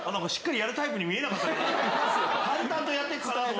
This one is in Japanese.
しっかりやるタイプに見えなかった。